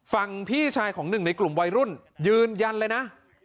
พี่ชายของหนึ่งในกลุ่มวัยรุ่นยืนยันเลยนะ